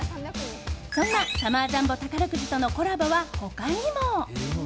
そんなサマージャンボ宝くじとのコラボは他にも。